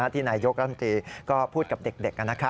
ที่นายกก็พูดกับเด็ก